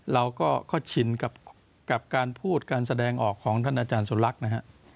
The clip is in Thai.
เราก็ชินกับการพูดการแสดงออกของท่านอาจารย์สุรักษ์นะฮะ